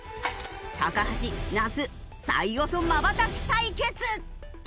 橋那須最遅まばたき対決！